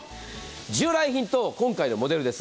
従来品と今回のモデルです。